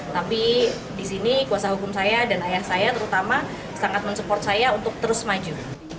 tapi di sini kuasa hukum saya dan ayah saya terutama sangat mensupport saya untuk terus maju